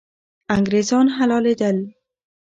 انګریزان حلالېدل.